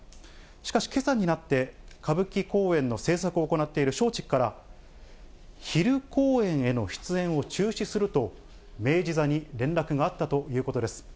しかし、けさになって歌舞伎公演の制作を行っている松竹から、昼公演への出演を中止すると、明治座に連絡があったということです。